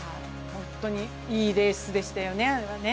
本当にいいレースでしたよね、あれはね。